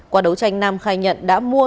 qua đấu tranh nam khai nhận đã mua